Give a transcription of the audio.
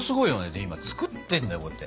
で今作ってんだよこうやって。